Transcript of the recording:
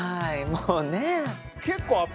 もうね。